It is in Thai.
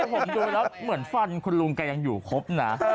ผมดูแล้วเหมือนฟันคุณลุงแกยังอยู่ครบนะ